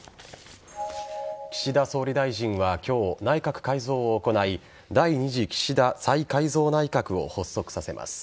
岸田総理大臣は今日内閣改造を行い第２次岸田再改造内閣を発足させます。